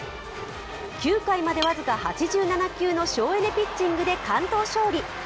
９回まで僅か８７球の省エネピッチングで完投勝利。